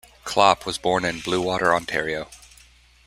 Klopp was born in Bluewater, Ontario.